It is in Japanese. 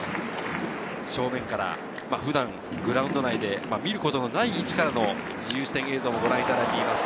正面から普段グラウンド内で見ることのない位置からの自由視点映像をご覧いただいています。